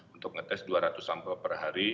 untuk ngetes dua ratus sampel per hari